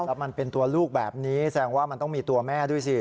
แล้วมันเป็นตัวลูกแบบนี้แสดงว่ามันต้องมีตัวแม่ด้วยสิ